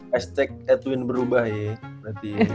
hashtag edwin berubah ya